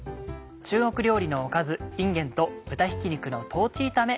中国料理のおかず「いんげんと豚ひき肉の豆炒め」。